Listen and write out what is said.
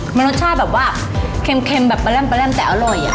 มันรสชาติแบบว่าเค็มแบบปลาแร่มแต่อร่อย